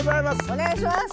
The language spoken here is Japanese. お願いします。